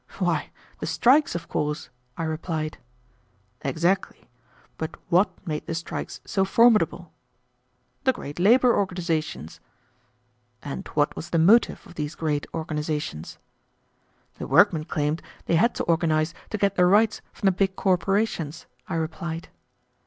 "Why, the strikes, of course," I replied. "Exactly; but what made the strikes so formidable?" "The great labor organizations." "And what was the motive of these great organizations?" "The workmen claimed they had to organize to get their rights from the big corporations," I replied.